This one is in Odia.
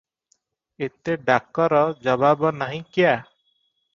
ଏତେ ଡାକର ଜବାବ ନାହିଁ କ୍ୟା?